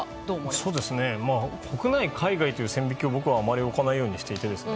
まあ、国内、海外という線引きを僕はあまり行わないようにしていてですね。